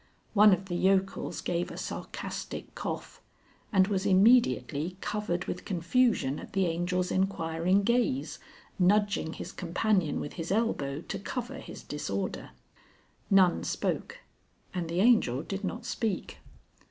One of the yokels gave a sarcastic cough, and was immediately covered with confusion at the Angel's enquiring gaze, nudging his companion with his elbow to cover his disorder. None spoke, and the Angel did not speak.